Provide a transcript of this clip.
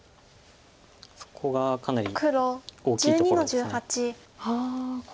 そこがかなり大きいところです。